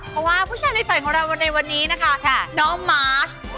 เพราะว่าผู้ชายในฝันของเราในวันนี้นะคะน้องมาร์ช